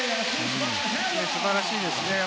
素晴らしいですね。